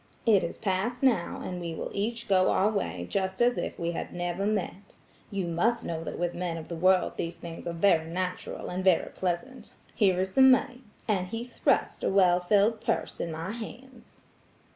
It is past now, and we will each go our way just as if we had never met. You must know that with men of the world these things are very natural and very pleasant. Here is some money; and he thrust a well filled purse in my hands.